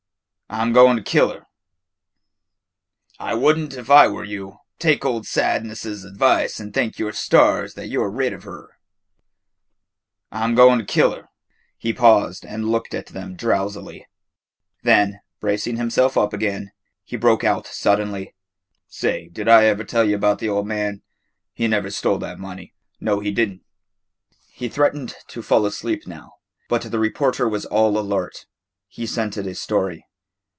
"I 'm goin' to kill her." "I would n't if I were you. Take old Sadness's advice and thank your stars that you 're rid of her." "I 'm goin' to kill her." He paused and looked at them drowsily. Then, bracing himself up again, he broke out suddenly, "Say, d' ever tell y' 'bout the ol' man? He never stole that money. Know he di' n'." He threatened to fall asleep now, but the reporter was all alert. He scented a story.